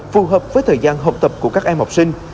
phù hợp với thời gian học tập của các em học sinh